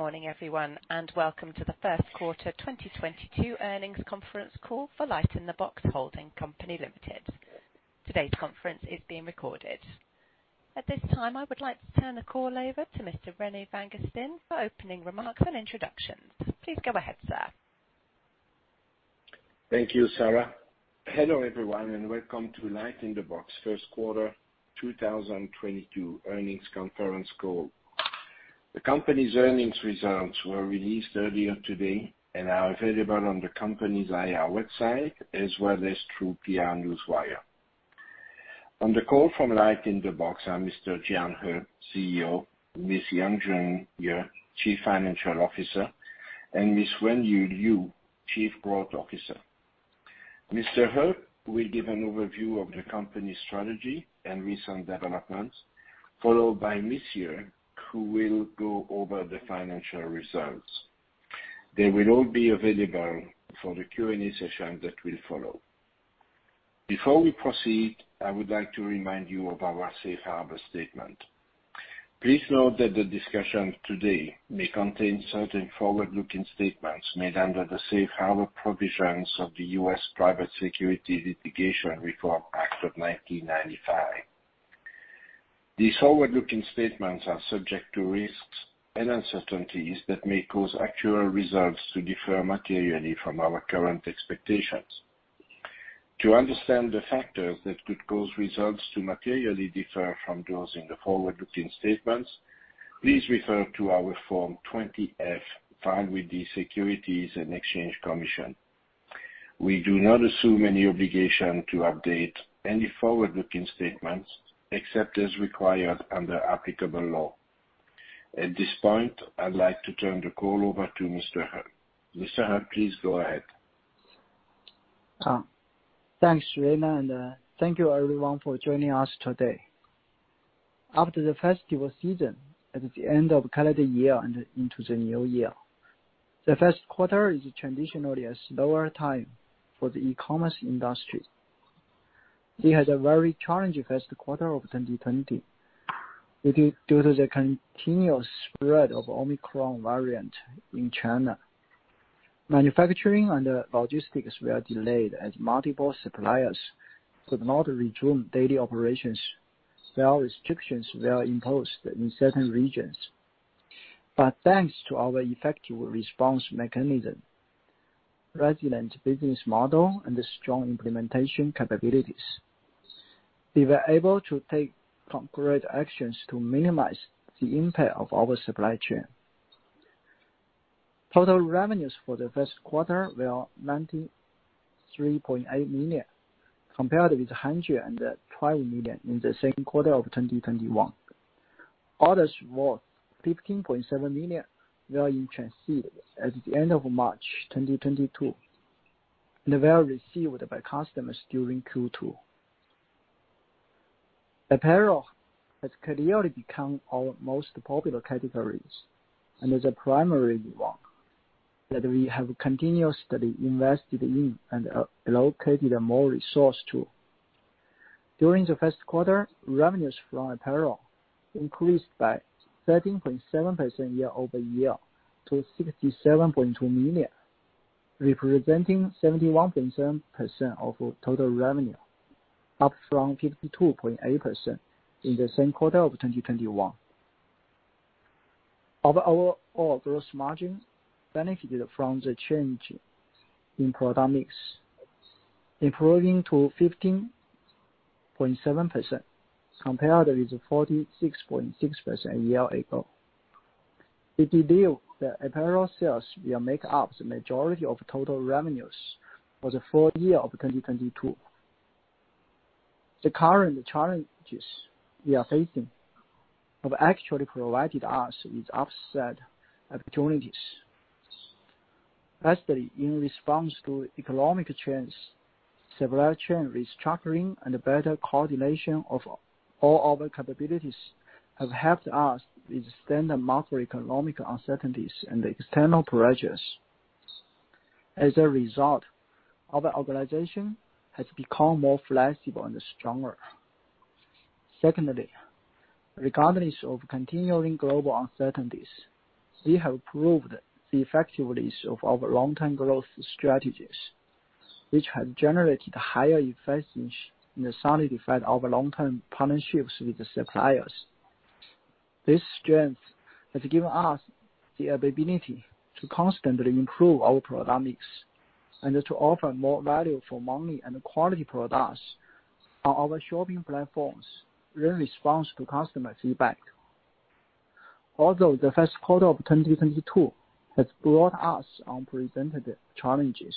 Good morning everyone, and welcome to the first quarter 2022 earnings conference call for LightInTheBox Holding Co., Ltd. Today's conference is being recorded. At this time, I would like to turn the call over to Mr. René Vanguestaine for opening remarks and introductions. Please go ahead, sir. Thank you, Sarah. Hello everyone, and welcome to LightInTheBox first quarter 2022 earnings conference call. The company's earnings results were released earlier today and are available on the company's IR website, as well as through PR Newswire. On the call from LightInTheBox are Mr. Jian He, CEO, Ms. Yuanjun Ye, Chief Financial Officer, and Ms. Wenyu Liu, Chief Growth Officer. Mr. He will give an overview of the company's strategy and recent developments, followed by Ms. Ye, who will go over the financial results. They will all be available for the Q&A session that will follow. Before we proceed, I would like to remind you of our safe harbor statement. Please note that the discussion today may contain certain forward-looking statements made under the safe harbor provisions of the U.S. Private Securities Litigation Reform Act of 1995. These forward-looking statements are subject to risks and uncertainties that may cause actual results to differ materially from our current expectations. To understand the factors that could cause results to materially differ from those in the forward-looking statements, please refer to our Form 20-F filed with the Securities and Exchange Commission. We do not assume any obligation to update any forward-looking statements except as required under applicable law. At this point, I'd like to turn the call over to Mr. He. Mr. He, please go ahead. Thanks, René, and thank you everyone for joining us today. After the festival season at the end of calendar year and into the new year, the first quarter is traditionally a slower time for the e-commerce industry. It was a very challenging first quarter of 2020 due to the continuous spread of Omicron variant in China. Manufacturing and logistics were delayed as multiple suppliers could not resume daily operations. Sale restrictions were imposed in certain regions. Thanks to our effective response mechanism, resilient business model and strong implementation capabilities, we were able to take concrete actions to minimize the impact of our supply chain. Total revenues for the first quarter were $93.8 million, compared with $120 million in the second quarter of 2021. Orders worth $15.7 million were in transit at the end of March 2022, and were received by customers during Q2. Apparel has clearly become our most popular categories and is a primary one that we have continuously invested in and allocated more resource to. During the first quarter, revenues from apparel increased by 13.7% year-over-year to $67.2 million, representing 71% of total revenue, up from 52.8% in the same quarter of 2021. Our overall gross margin benefited from the change in product mix, improving to 15.7% compared with 46.6% a year ago. We believe that apparel sales will make up the majority of total revenues for the full year of 2022. The current challenges we are facing have actually provided us with upside opportunities. Firstly, in response to economic trends, supply chain restructuring and better coordination of all our capabilities have helped us withstand the macroeconomic uncertainties and the external pressures. As a result, our organization has become more flexible and stronger. Secondly, regardless of continuing global uncertainties, we have proved the effectiveness of our long-term growth strategies, which have generated higher efficiency and solidified our long-term partnerships with the suppliers. This strength has given us the ability to constantly improve our product mix and to offer more value for money and quality products on our shopping platforms in response to customer feedback. Although the first quarter of 2022 has brought us unprecedented challenges,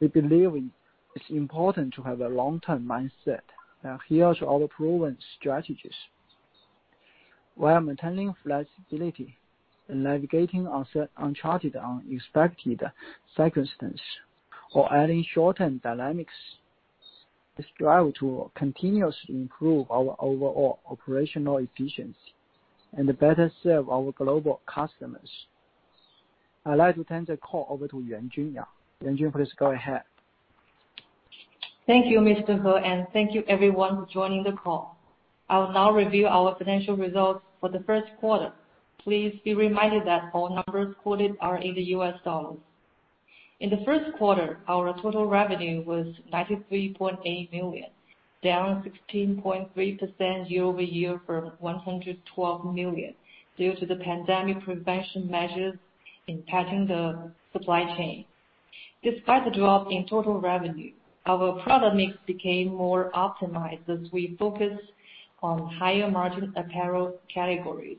we believe it's important to have a long-term mindset. Now here's our proven strategies. While maintaining flexibility and navigating uncharted, unexpected circumstances or any short-term dynamics, we strive to continuously improve our overall operational efficiency and better serve our global customers. I'd like to turn the call over to Yuanjun Ye. Yuan Jun, please go ahead. Thank you, Mr. He, and thank you everyone for joining the call. I will now review our financial results for the first quarter. Please be reminded that all numbers quoted are in U.S. dollars. In the first quarter, our total revenue was $93.8 million, down 16.3% year-over-year from $112 million due to the pandemic prevention measures impacting the supply chain. Despite the drop in total revenue, our product mix became more optimized as we focused on higher margin apparel categories.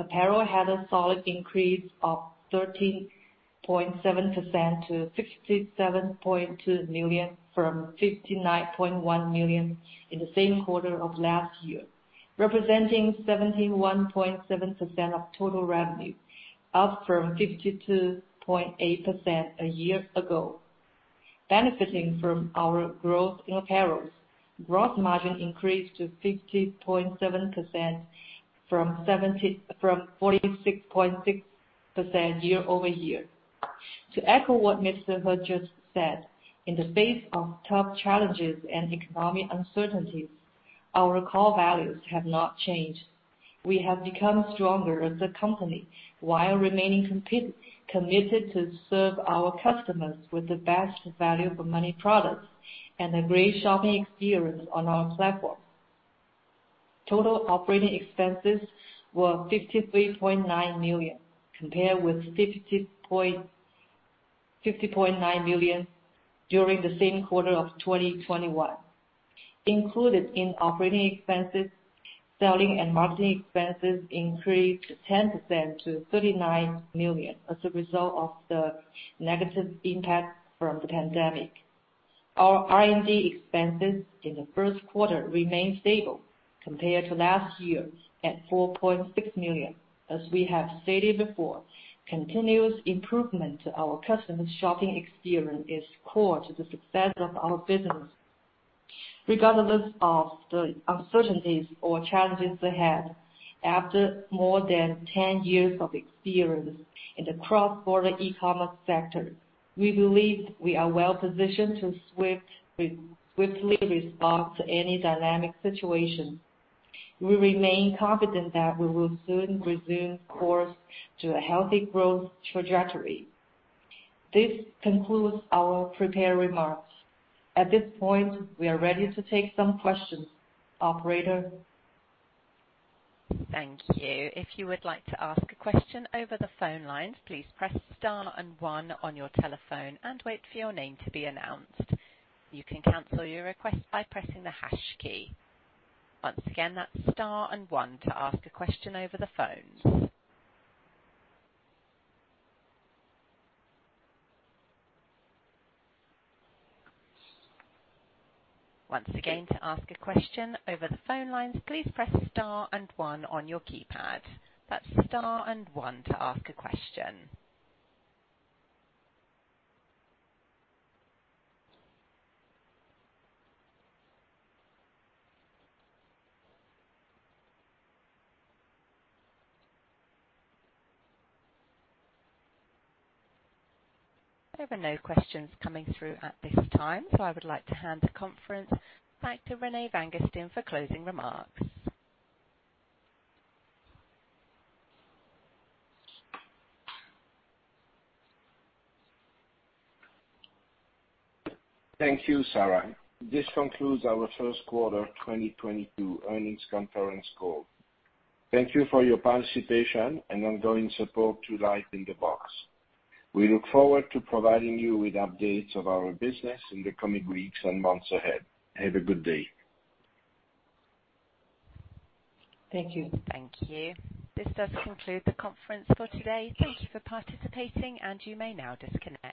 Apparel had a solid increase of 13.7% to $57.2 million from $50.3 million in the same quarter of last year, representing 71.7% of total revenue, up from 52.8% a year ago. Benefiting from our growth in apparels, gross margin increased to 50.7% from 46.6% year-over-year. To echo what Mr. He just said, in the face of tough challenges and economic uncertainties, our core values have not changed. We have become stronger as a company while remaining committed to serve our customers with the best value for money products and a great shopping experience on our platform. Total operating expenses were $53.9 million, compared with $50.9 million during the same quarter of 2021. Included in operating expenses, selling and marketing expenses increased 10% to $39 million as a result of the negative impact from the pandemic. Our R&D expenses in the first quarter remained stable compared to last year at $4.6 million. As we have stated before, continuous improvement to our customers' shopping experience is core to the success of our business. Regardless of the uncertainties or challenges ahead, after more than 10 years of experience in the cross-border e-commerce sector, we believe we are well positioned to swiftly respond to any dynamic situation. We remain confident that we will soon resume course to a healthy growth trajectory. This concludes our prepared remarks. At this point, we are ready to take some questions. Operator? Thank you. If you would like to ask a question over the phone lines, please press star and one on your telephone and wait for your name to be announced. You can cancel your request by pressing the hash key. Once again, that's star and one to ask a question over the phone. Once again, to ask a question over the phone lines, please press star and one on your keypad. That's star and one to ask a question. There are no questions coming through at this time, so I would like to hand the conference back to René Vanguestaine for closing remarks. Thank you, Sarah. This concludes our first quarter 2022 earnings conference call. Thank you for your participation and ongoing support to LightInTheBox. We look forward to providing you with updates of our business in the coming weeks and months ahead. Have a good day. Thank you. Thank you. This does conclude the conference for today. Thank you for participating, and you may now disconnect.